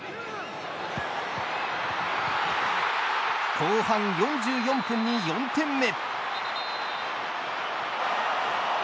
後半４４分に４点目。